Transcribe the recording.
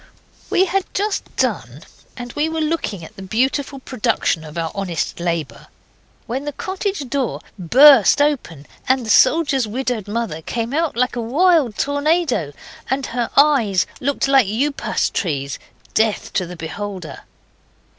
We had just done, and we were looking at the beautiful production of our honest labour, when the cottage door burst open, and the soldier's widowed mother came out like a wild tornado, and her eyes looked like upas trees death to the beholder.